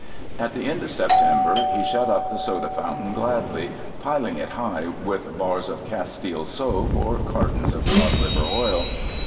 At the end of September he shut up the soda fountain gladly, piling it high with bars of castile soap or cartons of cod liver oil.